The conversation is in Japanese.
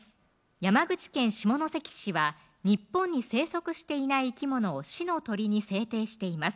山口県下関市は日本に生息していない生き物を市の鳥に制定しています